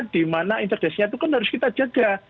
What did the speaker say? dimana interdesenya itu kan harus kita jaga